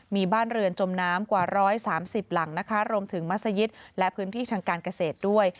มีบ้านเรือนจมน้ำกว่า๑๓๐หลังนะคะรวมถึงมัศยิตและพื้นที่ทางการเกษตรด้วย